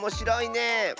ねえ。